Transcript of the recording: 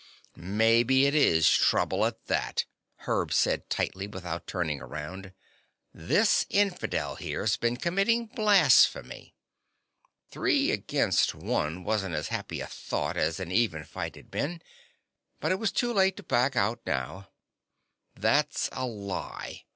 "Maybe it is trouble, at that," Herb said tightly, without turning around. "This infidel here's been committing blasphemy." Three against one wasn't as happy a thought as an even fight had been, but it was too late to back out now. "That's a lie!"